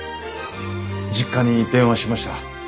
実家に電話しました。